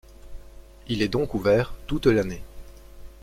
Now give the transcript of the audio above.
Il est donc ouvert toute l'année.